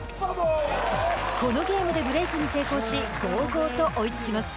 このゲームでブレイクに成功し５−５と追いつきます。